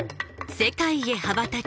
世界へ羽ばたけ